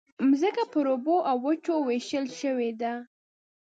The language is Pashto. مځکه پر اوبو او وچو وېشل شوې ده.